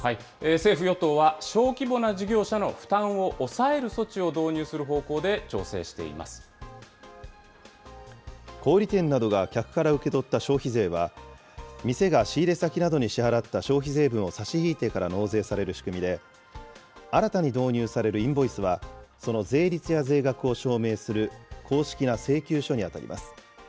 政府・与党は、小規模な事業者の負担を抑える措置を導入する方向で調整していま小売店などが客から受け取った消費税は、店が仕入れ先などに支払った消費税分を差し引いてから納税される仕組みで、新たに導入されるインボイスは、その税率や税額を証明する公式な請求書に当たります。